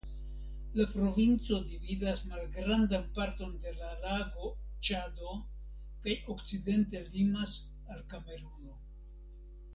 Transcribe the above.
La provinco dividas malgrandan parton de la lago Ĉado kaj okcidente limas al Kameruno.